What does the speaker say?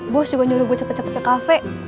bus juga nyuruh gue cepet cepet ke cafe